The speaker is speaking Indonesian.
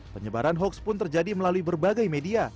penyebaran hoax pun terjadi melalui berbagai media